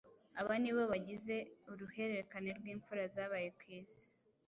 Aba ni bo bagize uruhererekane rw’impfura zabaye ku isi.